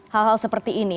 hal hal seperti ini